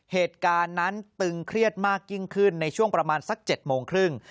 เหตุการณ์นั้นตึงเครียดมากยิ่งขึ้นในช่วงประมาณสัก๗โมงครึ่ง